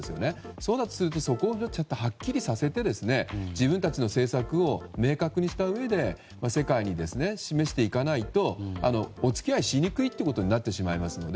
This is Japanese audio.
そうだとするとそこをちゃんとはっきりさせて自分たちの政策を明確にしたうえ世界に示していかないとお付き合いしにくいってことになってしまいますので。